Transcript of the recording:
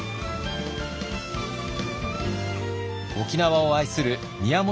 沖縄を愛する宮本